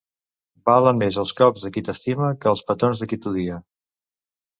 Valen més els cops de qui t'estima que els petons de qui t'odia.